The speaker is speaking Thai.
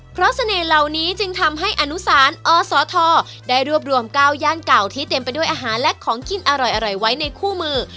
เพราะเสน่ห์เหล่านี้จึงทำให้อนุสานอสทได้รวบรวม๙ย่านเก่าที่เต็มไปด้วยอาหารและของกินอร่อยไว้ในคู่มือ